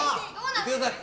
言ってください。